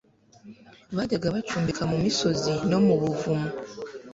bajyaga gucumbika mu misozi no mu buvumo